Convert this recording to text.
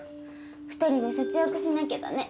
２人で節約しなきゃだね。